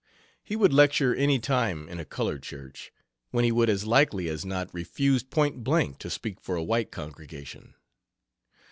He would lecture any time in a colored church, when he would as likely as not refuse point blank to speak for a white congregation.